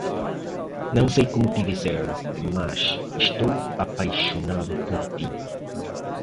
Não sei como te dizer, mas estou apaixonado por ti.